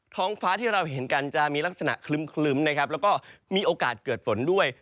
ท้องฟ้าที่เราเห็นกันจะมีลักษณะคลึ้มนะครับแล้วก็มีโอกาสเกิดฝนด้วย